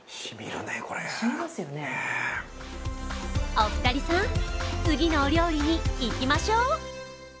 お二人さん、次のお料理にいきましょう！